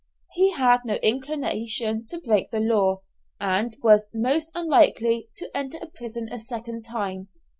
He had no inclination to break the law, and was most unlikely to enter a prison a second time.